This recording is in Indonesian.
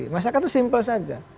masyarakat itu simpel saja